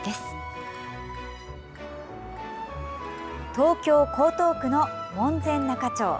東京・江東区の門前仲町。